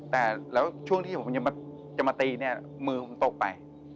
แต่แล้วช่วงที่ผมจะมาตีเนี่ยมือผมตกไป